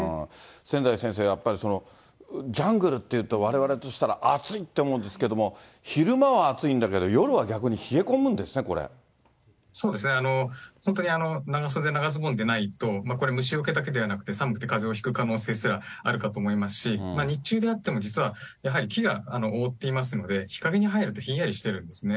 千代先生、やっぱりジャングルっていうと、われわれとしたら、暑いって思うんですけども、昼間は暑いんだけど、そうですね、本当に長袖長ズボンでないと、これ、虫よけだけではなくて、寒くてかぜをひく可能性すらあるかと思いますし、日中であっても、実はやはり木が覆っていますので、日陰に入るとひんやりしてるんですね。